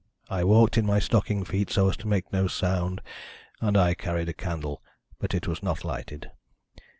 I walked in my stocking feet, so as to make no sound, and I carried a candle, but it was not lighted.